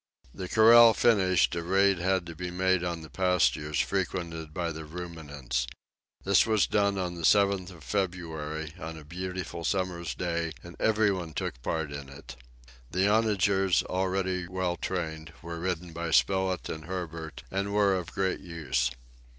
The corral finished, a raid had to be made on the pastures frequented by the ruminants. This was done on the 7th of February, on a beautiful summer's day, and every one took part in it. The onagers, already well trained, were ridden by Spilett and Herbert, and were of great use.